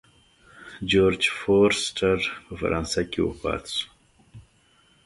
جورج فورسټر په فرانسه کې وفات شو.